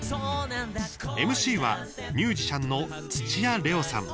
ＭＣはミュージシャンの土屋礼央さん。